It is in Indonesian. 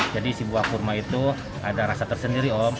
jadi si buah kurma itu ada rasa tersendiri